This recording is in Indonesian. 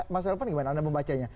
mas elvan gimana anda membacanya